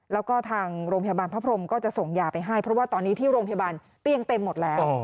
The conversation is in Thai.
แล้วก็ทางโรงพยาบาลพระพรมก็จะส่งยาไปให้เพราะว่าตอนนี้ที่โรงพยาบาลเตียงเต็มหมดแล้ว